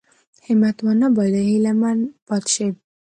همت ونه بايلي هيله من پاتې شي.